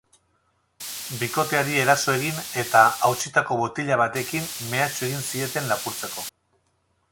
Bikoteari eraso egin eta hautsitako botila batekin mehatxu egin zieten lapurtzeko.